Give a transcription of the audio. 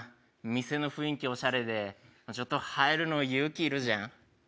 店の雰囲気おしゃれで、ちょっと入るの勇気いるじゃん。